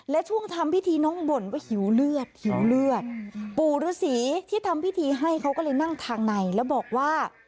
และช่วงทำพิธีน้องบ่นว่าหิวเลือดหิวเลือดปู่ฤษีที่ทำพิธีให้เขาก็เลยนั่งทางในแล้วบอกว่า